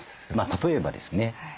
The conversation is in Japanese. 例えばですね